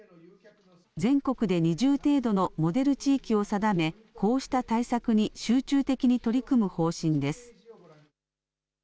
全国で２０程度のモデル地域を定め、こうした対策に集中的に取り組む方針です。